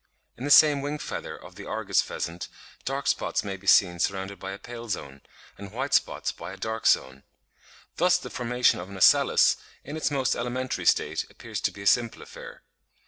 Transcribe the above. In the same wing feather of the Argus pheasant dark spots may be seen surrounded by a pale zone, and white spots by a dark zone. Thus the formation of an ocellus in its most elementary state appears to be a simple affair.